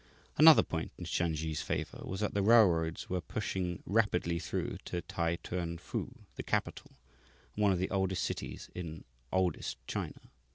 Another point in Shansi's favour was that the railroads were pushing rapidly through to T'ai Tuan fu, the capital (and one of the oldest cities in oldest China).